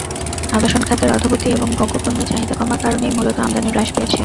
আবাসন খাতের অধোগতি এবং ভোগ্যপণ্যের চাহিদা কমার কারণেই মূলত আমদানি হ্রাস পেয়েছে।